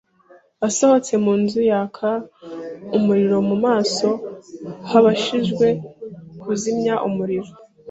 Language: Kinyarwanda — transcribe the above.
Asohotse mu nzu yaka umuriro mu maso h'abashinzwe kuzimya umuriro.